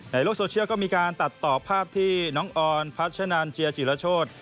ในโลกโซเชียลก็มีการตัดต่อภาพที่น้องออนพัชนานเจียจิรโชธ